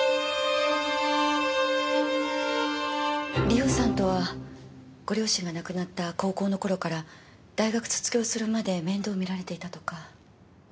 梨緒さんとはご両親が亡くなった高校の頃から大学卒業するまで面倒をみられていたとか。